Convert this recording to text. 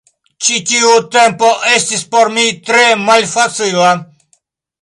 Ĉi tiu tempo estis por mi tre malfacila.